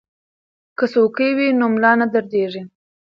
که څوکۍ وي نو ملا نه دردیږي.